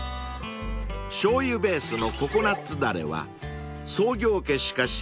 ［しょうゆベースのココナッツだれは］